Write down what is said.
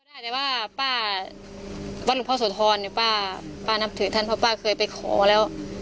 ได้แต่ว่าป้าวัดหลวงพ่อโสธรเนี่ยป้านับถือท่านเพราะป้าเคยไปขอแล้ว